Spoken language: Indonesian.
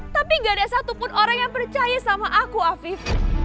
tapi gak ada satupun orang yang percaya sama aku afif